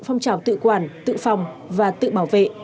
phong trào tự quản tự phòng và tự bảo vệ